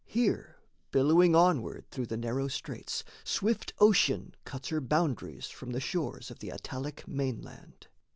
Here, billowing onward through the narrow straits, Swift ocean cuts her boundaries from the shores Of the Italic mainland.